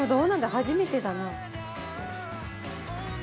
初めてだな。